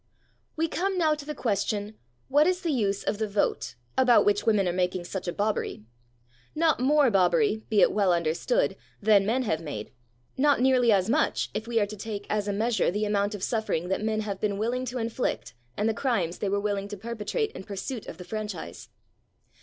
We come now to the question, what is the use of the vote, about which women are making such a bobbery? Not more bobbery, be it well understood, than men have made; not nearly as much, if we are to take as a measure the amount of suffering that men have been willing to inflict and the crimes they were willing to perpetrate in pursuit of the franchise.